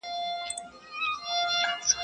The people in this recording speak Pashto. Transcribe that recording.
سلا د مړو هنر دئ.